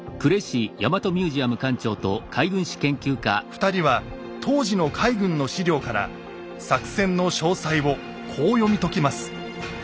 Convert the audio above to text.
２人は当時の海軍の史料から作戦の詳細をこう読み解きます。